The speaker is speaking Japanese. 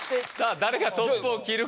誰がトップを切るか！